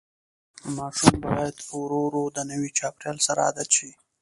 ماشوم باید ورو ورو د نوي چاپېریال سره عادت شي.